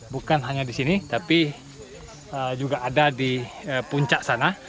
bukan hanya di sini tapi juga ada di puncak sana